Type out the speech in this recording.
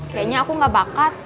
kayaknya aku gak bakat